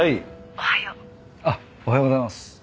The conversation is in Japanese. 「おはよう」あっおはようございます。